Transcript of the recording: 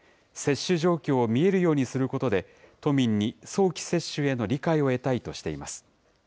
接種状況を見えるようにすることで、都民に早期接種への理解を得たいとしています。